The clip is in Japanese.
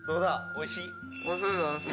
おいしい？」